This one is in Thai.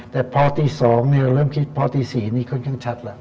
แต่พอตี๒เราเริ่มคิดพอตี๔นี่ค่อนข้างชัดแล้ว